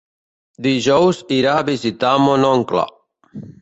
Dijous irà a visitar mon oncle.